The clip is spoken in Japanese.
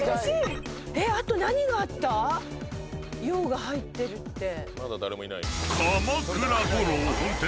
洋が入ってるって。